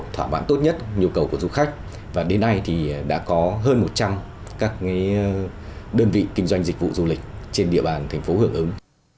thỏa bản tốt nhất nhu cầu của du khách và đến nay thì đã có hơn một trăm linh các đơn vị kinh doanh dịch vụ du lịch trên địa bàn thành phố hưởng ứng